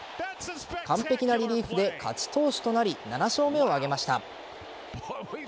完璧なリリーフで勝ち投手となり７勝目を挙げました。